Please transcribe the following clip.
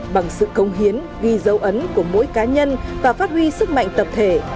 bằng sự công hiến ghi dấu ấn của mỗi cá nhân và phát huy sức mạnh tập thể